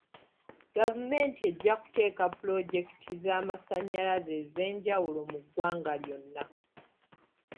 Gavumenti ejja kuteeka pulojekiti z'amasanyalaze ez'enjawulo mu ggwanga lyonna.